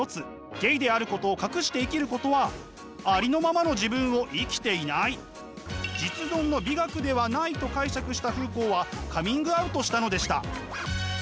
ゲイであることを隠して生きることはありのままの自分を生きていない実存の美学ではないと解釈したフーコーはカミングアウトしたのでした。